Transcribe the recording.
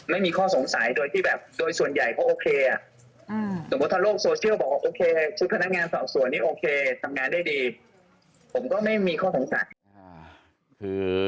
ไม่มีข้อสงสัยโดยที่แบบโดยส่วนใหญ่เขาโอเค